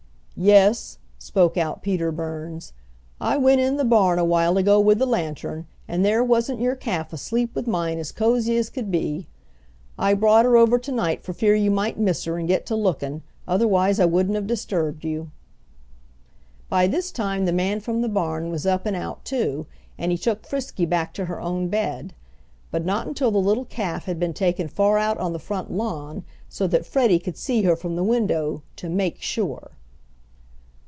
"Yes," spoke out Peter Burns, "I went in the barn a while ago with the lantern, and there wasn't your calf asleep with mine as cozy as could be. I brought her over to night for fear you might miss her and get to lookin', otherwise I wouldn't have disturbed you." By this time the man from the barn was up and out too, and he took Frisky back to her own bed; but not until the little calf had been taken far out on the front lawn so that Freddie could see her from the window "to make sure."